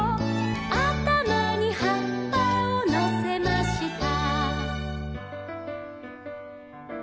「あたまにはっぱをのせました」